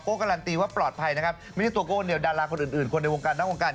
การันตีว่าปลอดภัยนะครับไม่ใช่ตัวโก้คนเดียวดาราคนอื่นอื่นคนในวงการนอกวงการ